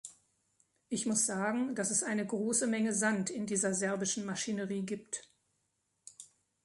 Ich muss sagen, dass es eine große Menge Sand in dieser serbischen Maschinerie gibt.